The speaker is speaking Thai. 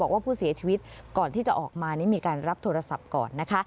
ว่าผู้เสียชีวิตก่อนที่จะออกมานี่มีการรับโทรศัพท์ก่อนนะคะ